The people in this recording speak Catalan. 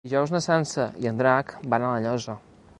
Dijous na Sança i en Drac van a La Llosa.